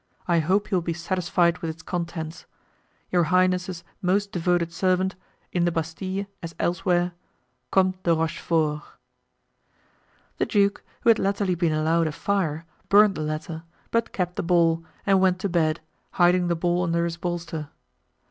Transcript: I hope you will be satisfied with its contents. "Your highness's most devoted servant, "In the Bastile, as elsewhere, "Comte de Rochefort." The duke, who had latterly been allowed a fire, burned the letter, but kept the ball, and went to bed, hiding the ball under his bolster.